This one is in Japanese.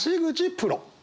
プロ。